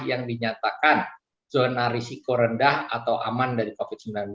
yang dinyatakan zona risiko rendah atau aman dari covid sembilan belas